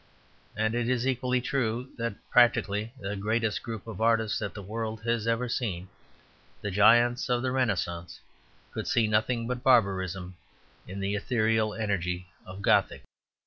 And it is equally true that practically the greatest group of artists that the world has ever seen, the giants of the Renaissance, could see nothing but barbarism in the ethereal energy of Gothic.